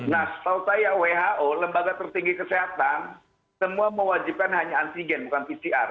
nah setahu saya who lembaga tertinggi kesehatan semua mewajibkan hanya antigen bukan pcr